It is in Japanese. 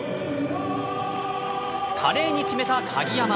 華麗に決めた鍵山。